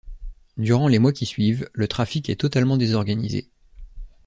Durant les mois qui suivent, le trafic est totalement désorganisé.